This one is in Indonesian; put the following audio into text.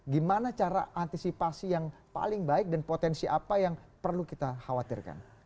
gimana cara antisipasi yang paling baik dan potensi apa yang perlu kita khawatirkan